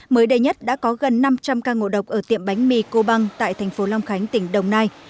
mới đây nhất đã có gần năm trăm linh ca ngộ độc ở tiệm bánh mì cô băng tại thành phố long khánh tỉnh đồng nai